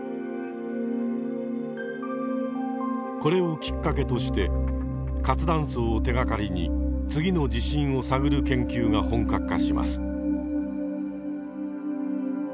これをきっかけとして活断層を手がかりに次の地震を探る研究が本格化します。